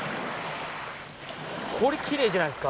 これキレイじゃないですか。